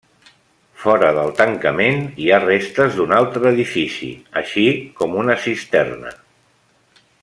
Fora del tancament hi ha restes d'un altre edifici, així com una cisterna.